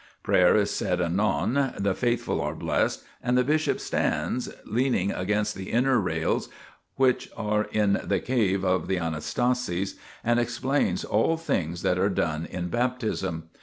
Prayer is said anon, the faithful are blessed, and the bishop stands, leaning against the inner rails which are in the cave 94 THE PILGRIMAGE OF ETHERIA of the Anastasis, and explains all things that a.'e done in Baptism.